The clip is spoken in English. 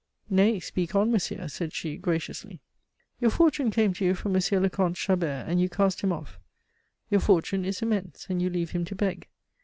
"Nay, speak on, monsieur," said she graciously. "Your fortune came to you from M. le Comte Chabert, and you cast him off. Your fortune is immense, and you leave him to beg.